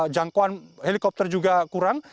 jangkauan helikopter juga kurang